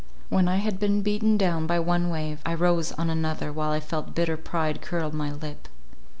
When I had been beaten down by one wave, I rose on another, while I felt bitter pride curl my lip.